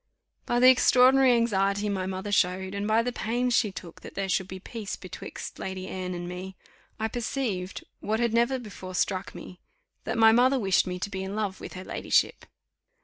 By the extraordinary anxiety my mother showed, and by the pains she took that there should be peace betwixt Lady Anne and me, I perceived, what had never before struck me, that my mother wished me to be in love with her ladyship.